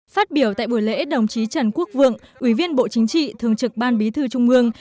phát biểu tại buổi lễ đồng chí trần quốc vượng ủy viên bộ chính trị thường trực ban bí thư trung ương